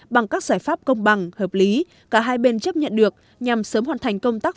bằng các giải pháp công bằng hợp lý cả hai bên chấp nhận được nhằm sớm hoàn thành công tác